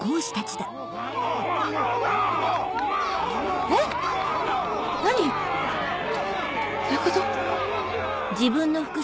どういうこと？